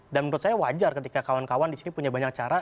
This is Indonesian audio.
dan menurut saya wajar ketika kawan kawan di sini punya banyak cara